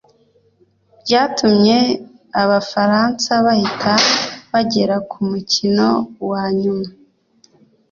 byatumye Abafaransa bahita bagera ku mukino wa nyuma